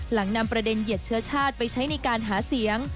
นำประเด็นเหยียดเชื้อชาติไปใช้ในการหาเสียง